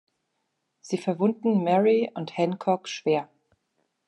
Sie verwunden Mary und Hancock schwer.